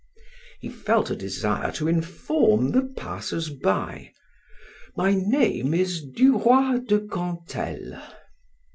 He felt a desire to inform the passers by, "My name is Du Roy de Cantel."